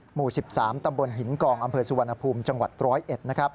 หมู่๑๓ตำบลหินกองอำเภอสุวรรณภูมิจังหวัด๑๐๑